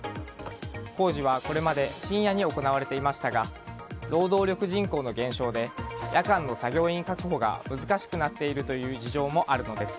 工事はこれまで深夜に行われていましたが労働力人口の減少で夜間の作業員確保が難しくなっているという事情もあるのです。